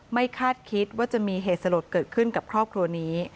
คาดคิดว่าจะมีเหตุสลดเกิดขึ้นกับครอบครัวนี้